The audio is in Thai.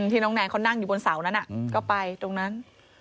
น้องแนนเขานั่งอยู่บนเสานั้นก็ไปตรงนั้น